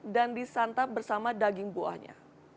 dan disantap bersama daging buahnya